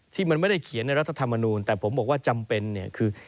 ที่มันไม่ได้เขียนในรัฐธรรมนูลแต่ผมบอกว่าจำเป็นเนี่ยคือ